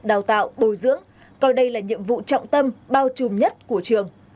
đào tạo bồi dưỡng coi đây là nhiệm vụ trọng tâm bao trùm nhất của trường